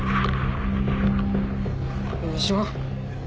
三島？